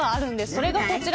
それがこちら。